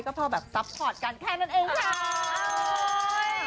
ก็พอแบบซัพพอร์ตกันแค่นั้นเองค่ะ